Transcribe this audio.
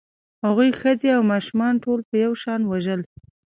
هغوی ښځې او ماشومان ټول په یو شان وژل